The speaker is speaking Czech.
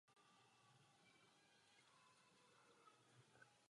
Osmileté církevní gymnázium zde v současnosti provozuje Biskupství královéhradecké.